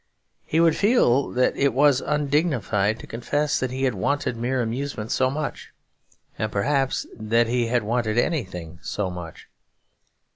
He would feel that it was undignified to confess that he had wanted mere amusement so much; and perhaps that he had wanted anything so much.